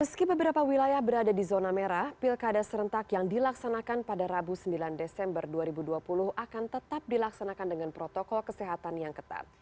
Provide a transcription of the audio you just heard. meski beberapa wilayah berada di zona merah pilkada serentak yang dilaksanakan pada rabu sembilan desember dua ribu dua puluh akan tetap dilaksanakan dengan protokol kesehatan yang ketat